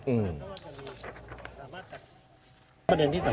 อืม